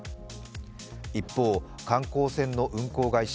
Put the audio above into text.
一方、観光船の運航会社